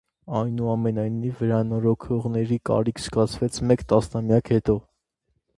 Այնուամենայնիվ վերանորոգողների կարիք զգացվեց մեկ տասնամյակ հետո։